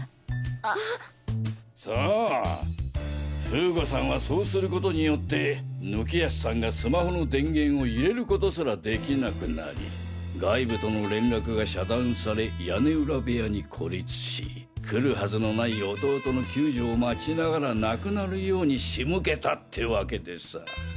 風悟さんはそうすることによって貫康さんがスマホの電源を入れる事すらできなくなり外部との連絡が遮断され屋根裏部屋に孤立し来るはずのない弟の救助を待ちながら亡くなるように仕向けたってワケでさァ。